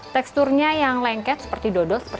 teksturnya yang lengket seperti dodol seperti